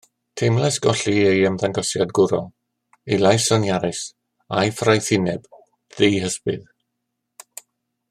Teimlais golli ei ymddangosiad gwrol, ei lais soniarus a'i ffraethineb dihysbydd.